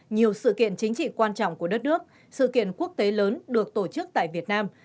nhiều sự kiện chính trị quan trọng của đất nước sự kiện quốc tế lớn được tổ chức tại việt nam